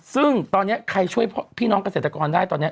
ซึ่งตอนนี้ใครช่วยพี่น้องเกษตรกรได้ตอนนี้